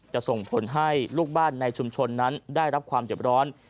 ส่งผลให้ลูกบ้านในชุมชนนั้นได้รับความเจ็บร้อน